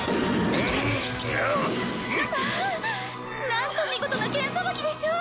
なんと見事な剣さばきでしょう！